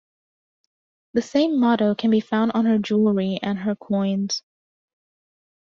The same motto can be found on her jewelry and her coins.